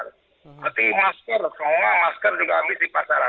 berarti masker semua masker juga habis di pacaran